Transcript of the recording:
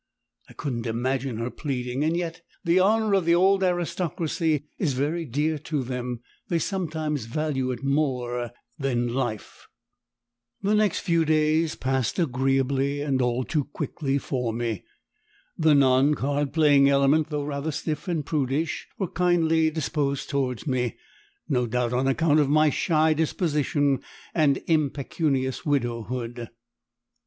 I couldn't imagine her pleading and yet the Honour of the Old Aristocracy is very dear to them; they sometimes value it more than life. The next few days passed agreeably and all too quickly for me. The non card playing element, though rather stiff and prudish, were kindly disposed towards me, no doubt on account of my shy disposition and impecunious widowhood.